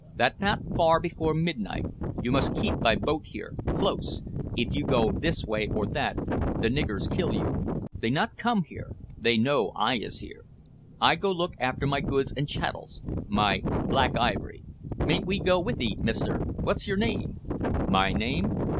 That not far before midnight. You mus keep by boat here close. If you go this way or that the niggers kill you. They not come here; they know I is here. I go look after my goods and chattels my Black Ivory." "Mayn't we go with 'ee, mister what's your name?" "My name?